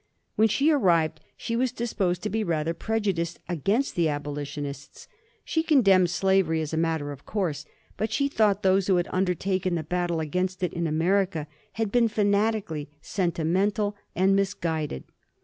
When she arrived she was disposed to be rather prejudiced against the abolitionists. She condemned slavery as a matter of course, but she thought those who had undertaken the battle against it in America had been fanatical, sentimental, and misguided.